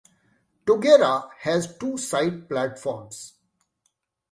Tuggerah has two side platforms.